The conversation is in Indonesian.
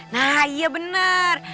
nah iya bener